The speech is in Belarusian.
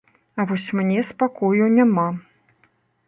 А вось мне спакою няма.